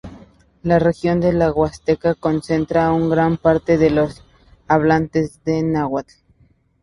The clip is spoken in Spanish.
La región de la Huasteca concentra una gran parte de los hablantes de náhuatl.